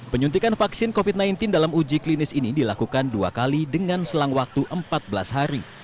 penyuntikan vaksin covid sembilan belas dalam uji klinis ini dilakukan dua kali dengan selang waktu empat belas hari